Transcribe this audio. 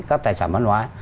các tài sản văn hóa